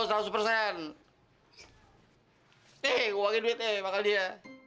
hehehe gua bagiin duit nih maka dia